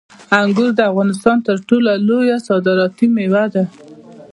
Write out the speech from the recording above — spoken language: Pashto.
انګور د افغانستان تر ټولو لویه صادراتي میوه ده.